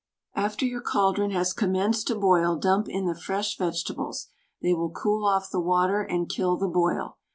After your caldron has commenced to boil dump in the fresh vegetables, they will cool off the water and kill the boil.